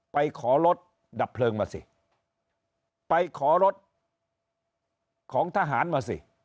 ไปขอรถดับเพลิงมาสิไปขอรถของทหารมาสิ